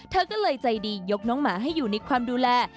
เธอก็เลยใจดียกน้องหมาให้อยู่ในความดูแล